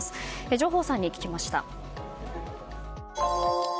上法さんに聞きました。